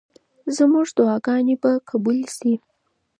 زموږ دعاګانې به قبولې شي.